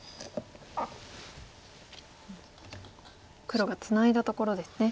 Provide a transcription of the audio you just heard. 黒がツナいだところですね。